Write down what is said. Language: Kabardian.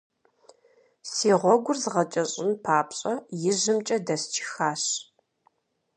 Си гъуэгур згъэкӏэщӏын папщӏэ, ижьымкӏэ дэсчыхащ.